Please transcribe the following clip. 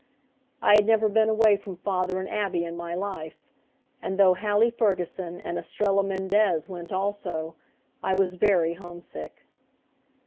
I had never been away from father and Abby in my life, and though Hallie Ferguson and Estrella Mendez went also, I was very homesick.